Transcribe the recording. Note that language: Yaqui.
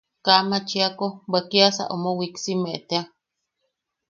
Kaa machiako, bwe kiasa omo wiksiime tea.